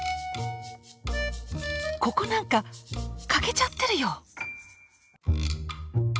ここなんか欠けちゃってるよ。